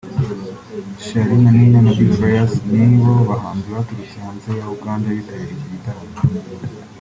Charly&Nina na Big Farious ni bo bahanzi baturutse hanze ya Uganda bitariye iki gitaramo